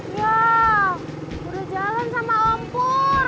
wah udah jalan sama om pur